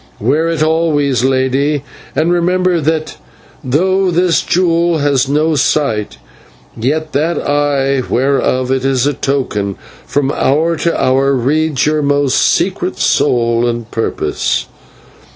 Wear it always, lady, and remember that though this jewel has no sight, yet that Eye, whereof it is a token, from hour to hour reads your most secret soul and purpose.